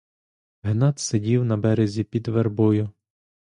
Гнат сидів на березі під вербою.